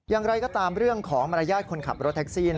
อย่างไรก็ตามเรื่องของมารยาทคนขับรถแท็กซี่